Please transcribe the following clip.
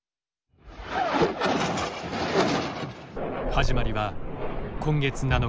始まりは今月７日。